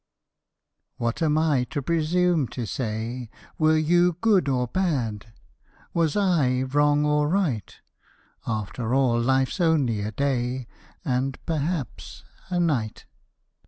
What am I to presume to say Were you good or bad, Was I wrong or right? After all life's only a day And perhaps—a night.